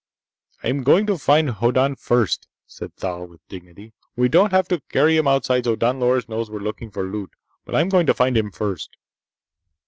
"I'm going to find Hoddan first," said Thal, with dignity. "We don't have to carry him outside so's Don Loris knows we're looking for loot, but I'm going to find him first."